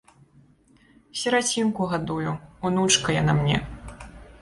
Сірацінку гадую, унучка яна мне.